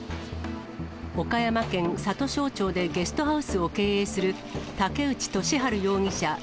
岡山県里庄町でゲストハウスを経営する、武内俊晴容疑者